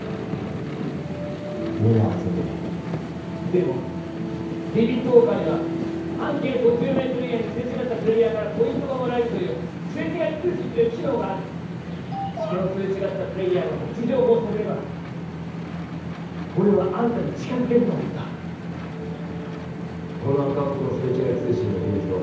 みんなを集めてくれでもリビットウォーカーには半径５０メートル以内にすれ違ったプレイヤーからポイントがもらえるというすれ違い通信という機能があるそのすれ違ったプレイヤーの位置情報を探れば俺はアンタに近づけると思ったこのアカウントのすれ違い通信の履歴と